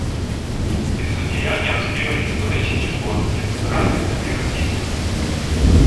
Ці злодіяння оспівані й звеличені згодом як «збирання землі російської»